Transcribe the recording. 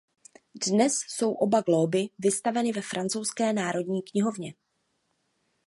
Dnes jsou oba glóby vystaveny ve francouzské národní knihovně.